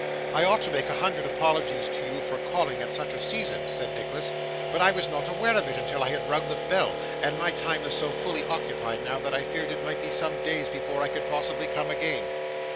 'I ought to make a hundred apologies to you for calling at such a season,' said Nicholas, 'but I was not aware of it until I had rung the bell, and my time is so fully occupied now, that I feared it might be some days before I could possibly come again.